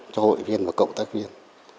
cho hội viên và cộng tác viên